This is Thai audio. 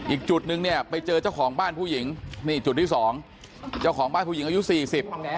อีกจุดนึงเนี่ยไปเจอเจ้าของบ้านผู้หญิงนี่จุดที่สองเจ้าของบ้านผู้หญิงอายุสี่สิบ